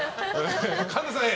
神田さん、Ａ。